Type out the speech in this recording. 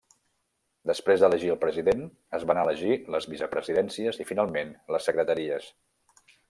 Després d'elegir el president, es van elegir les vicepresidències i finalment les secretaries.